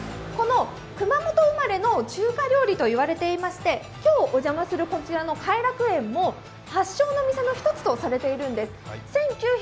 この熊本生まれの中華料理といわれていまして、今日お邪魔するこちらの会楽園も発祥のお店の一つと言われているんです。